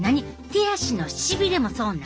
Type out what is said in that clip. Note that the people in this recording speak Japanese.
手足のしびれもそうなん！？